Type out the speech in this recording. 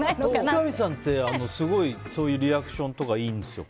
三上さんって、すごいそういうリアクションとかいいんですよ。